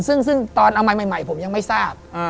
ซึ่งตอนเอาใหม่ใหม่ผมยังไม่ทราบ